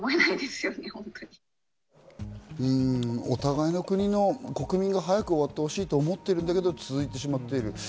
お互いの国の国民が早く終わってほしいと思っているんだけれども、続いてしまっている。